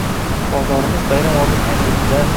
Bozorimiz bayram oldi qaynaydi-da